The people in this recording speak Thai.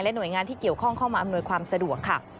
หน่วยงานที่เกี่ยวข้องเข้ามาอำนวยความสะดวกค่ะ